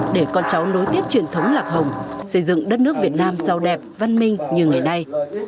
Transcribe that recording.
để con cháu nối tiếp truyền thống lạc hồng xây dựng đất nước việt nam giàu đẹp văn minh như ngày nay